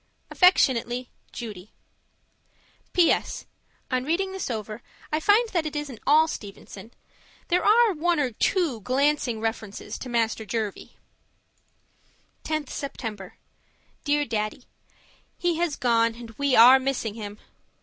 Affectionately, Judy PS. On reading this over, I find that it isn't all Stevenson. There are one or two glancing references to Master Jervie. 10th September Dear Daddy, He has gone, and we are missing him!